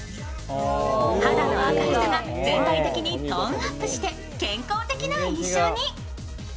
肌の明るさが全体的にトーンアップして健康的な印象に。